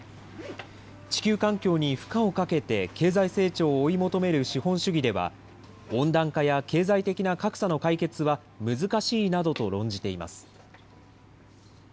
地球環境に負荷をかけて経済成長を追い求める資本主義では、温暖化や経済的な格差の解決は難しいなどと論じています。